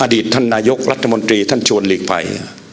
อดีตท่านนายกรัฐมนตรีท่านชวนหลีกภัย